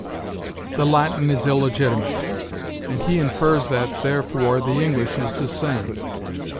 ' The Latin is illegitimate; and he infers that, therefore, the English is the same.